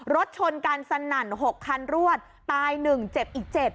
รถชนกันสนั่น๖คันรวดตาย๑เจ็บอีก๗